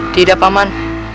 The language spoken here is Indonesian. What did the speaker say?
tidak pak man